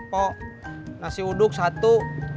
pok nasi uduk satu